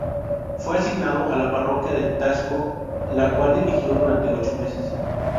Fue asignado a la parroquia de Taxco, la cual dirigió durante ocho meses.